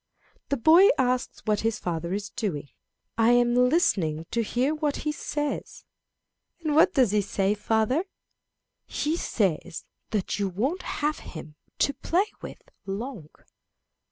The boy asks what his father is doing. "I am listening to hear what he says." "And what does he say, father?" "He says that you won't have him to play with long."